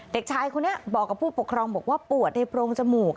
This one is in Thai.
เด็กชายคนนี้บอกกับผู้ปกครองบอกว่าปวดในโพรงจมูก